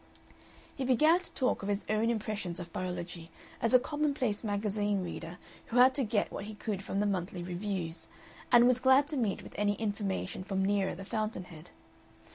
He began to talk of his own impressions of biology as a commonplace magazine reader who had to get what he could from the monthly reviews, and was glad to meet with any information from nearer the fountainhead.